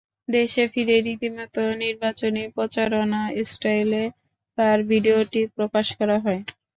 দেশে ফিরেই রীতিমতো নির্বাচনী প্রচারণা স্টাইলে তাঁর ভিডিওটি প্রকাশ করা হয়।